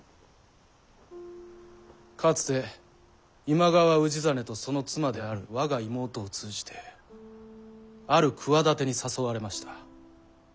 かつて今川氏真とその妻である我が妹を通じてある企てに誘われました。